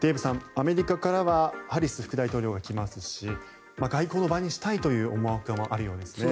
デーブさん、アメリカからはハリス副大統領が来ますし外交の場にしたいという思惑もあるようですね。